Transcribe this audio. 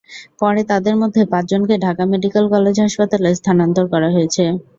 পরে তাঁদের মধ্যে পাঁচজনকে ঢাকা মেডিকেল কলেজ হাসপাতালে স্থানান্তর করা হয়েছে।